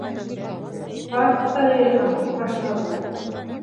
Факттар йыйған фашларға.